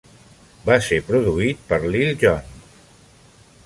Va ser produït per Lil Jon.